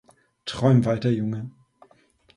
Träum weiter, Junge.